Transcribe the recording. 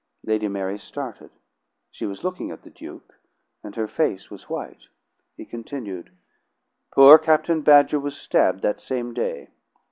Lady Mary started; she was looking at the Duke, and her face was white. He continued: "Poor Captain Badger was stabbed that same day.